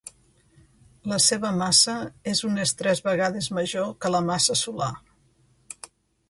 La seva massa és unes tres vegades major que la massa solar.